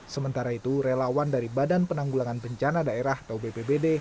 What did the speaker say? sementara itu relawan dari badan penanggulangan bencana daerah atau bpbd